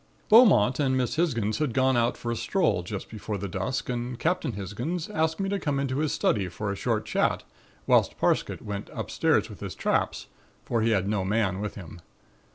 "Beaumont and Miss Hisgins had gone out for a stroll just before the dusk and Captain Hisgins asked me to come into his study for a short chat whilst Parsket went upstairs with his traps, for he had no man with him.